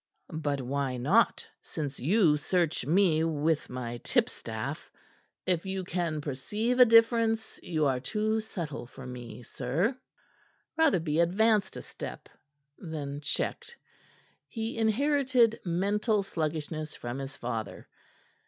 "But why not, since you search me with my tipstaff! If you can perceive a difference, you are too subtle for me, sir." Rotherby advanced a step; then checked. He inherited mental sluggishness from his father.